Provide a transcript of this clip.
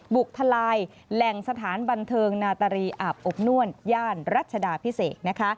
ทลายแหล่งสถานบันเทิงนาตรีอาบอบนวลย่านรัชดาพิเศษนะคะ